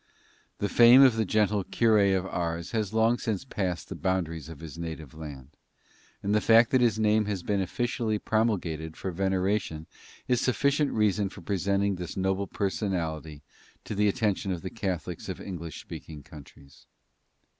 The fame of the gentle "Cure of Ars" has long since passed the boundaries of his native land, and the fact that his name has been officially promulgated for veneration is sufficient reason for presenting this noble personality to the attention of the Catholics of English speaking countries.